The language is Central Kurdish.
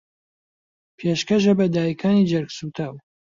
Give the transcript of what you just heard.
پێشکەشە بە دایکانی جەرگسووتاو